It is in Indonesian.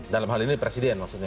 dalam hal ini presiden maksudnya